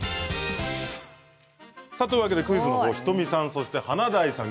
クイズの方は仁美さん華大さん